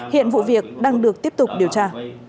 hiện vụ việc đang được tiếp tục điều tra